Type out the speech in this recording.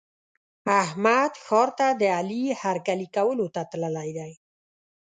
احمد ښار ته د علي هرکلي کولو ته تللی دی.